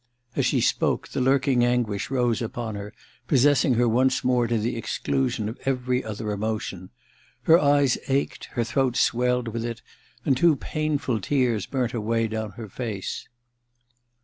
...' As she spoke, the lurking anguish rose upon her, pos sessing her once more to the exclusion of every other emotion. Her eyes ached, her throat swelled with it, and two painful tears ran down her face.